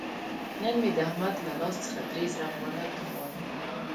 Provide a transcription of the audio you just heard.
نن مې د احمد له لاس څخه درې زره افغانۍ تاوان وکړ.